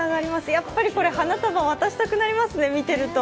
やっぱり、花束渡したくなりますね、見てると。